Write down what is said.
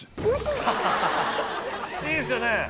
いいですよね。